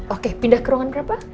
oke pindah ke ruangan berapa